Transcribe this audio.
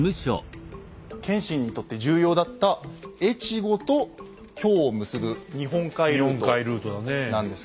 謙信にとって重要だった越後と京を結ぶ日本海ルートなんですが。